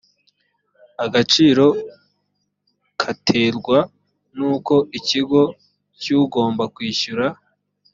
agaciro katerwa n uko ikigo cy ugomba kwishyura